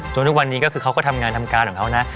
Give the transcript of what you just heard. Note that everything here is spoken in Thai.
ทุกวันนี้ก็คือเขาก็ทำงานทำการของเขานะ